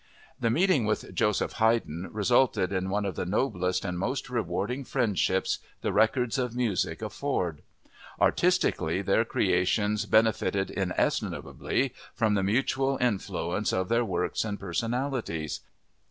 The meeting with Joseph Haydn resulted in one of the noblest and most rewarding friendships the records of music afford. Artistically their creations benefited inestimably from the mutual influence of their works and personalities.